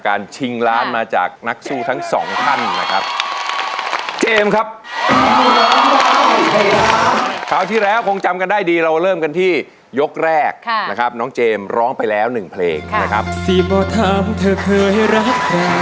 คราวที่แล้วคงจำกันได้ดีเราเริ่มกันที่ยกแรกนะครับน้องเจมส์ร้องไปแล้วหนึ่งเพลงนะครับ